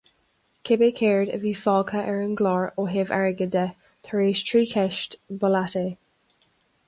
Cibé céard a bhí fágtha ar an gclár ó thaobh airgid de tar éis trí cheist, ba leat é.